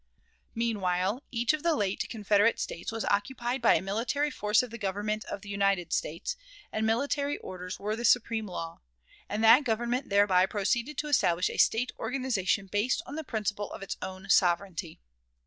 Meanwhile, each of the late Confederate States was occupied by a military force of the Government of the United States, and military orders were the supreme law; and that Government thereby proceeded to establish a State organization based on the principle of its own sovereignty.